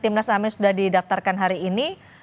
timnas amin sudah didaftarkan hari ini